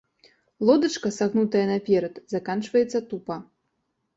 Лодачка сагнутая наперад, заканчваецца тупа.